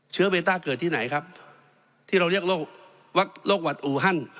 เวต้าเกิดที่ไหนครับที่เราเรียกโรคหวัดอูฮัน